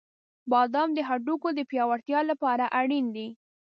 • بادام د هډوکو د پیاوړتیا لپاره اړین دي.